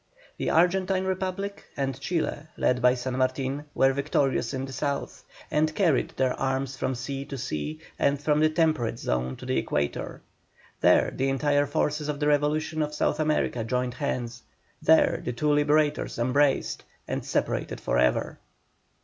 The Argentine Republic and Chile, led by San Martin, were victorious in the South, and carried their arms from sea to sea, and from the temperate zone to the equator. There the entire forces of the revolution of South America joined hands; there the two liberators embraced, and separated for ever.